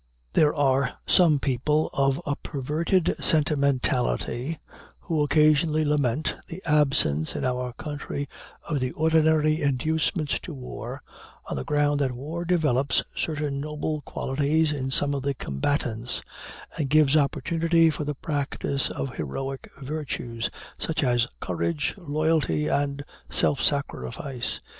There are some people of a perverted sentimentality who occasionally lament the absence in our country of the ordinary inducements to war, on the ground that war develops certain noble qualities in some of the combatants, and gives opportunity for the practice of heroic virtues, such as courage, loyalty, and self sacrifice.